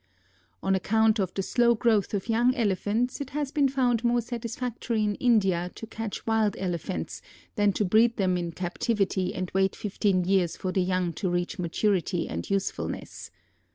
On account of the slow growth of young Elephants it has been found more satisfactory in India to catch wild Elephants than to breed them in captivity and wait fifteen years for the young to reach maturity and usefulness.